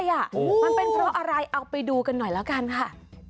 มันเป็นเพราะอะไรเอาไปดูกันหน่อยแล้วกันค่ะ